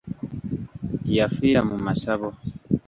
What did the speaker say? Yafiira mu masabo.